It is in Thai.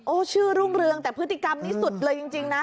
ชื่อรุ่งเรืองแต่พฤติกรรมนี้สุดเลยจริงนะ